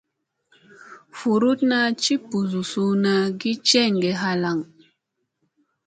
Vuruɗna ci ɓusu suuna jeŋge halaŋ.